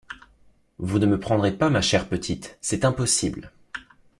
Vous ne me prendrez pas ma chère petite, c’est impossible!